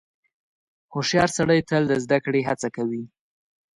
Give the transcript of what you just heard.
• هوښیار سړی تل د زدهکړې هڅه کوي.